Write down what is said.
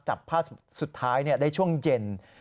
จับภาพสุดท้ายได้ช่วงเย็น